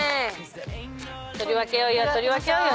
取り分けようよ取り分けようよ。